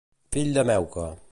Fill de meuca.